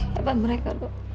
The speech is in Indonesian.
siapa mereka dok